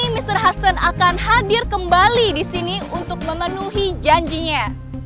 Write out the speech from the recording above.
kali ini mr hasan akan hadir kembali disini untuk memenuhi janjinya